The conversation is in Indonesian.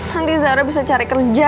nanti zara bisa cari kerja